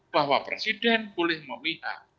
bahwa presiden boleh memihak